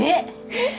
えっ？